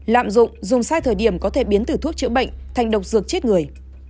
lạm dụng dùng sai thời điểm có thể biến từ thuốc chữa bệnh thành độc dược chết người